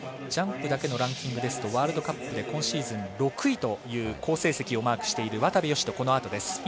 ジャンプだけのランキングですとワールドカップで今シーズン６位という好成績をマークしている渡部善斗、このあとです。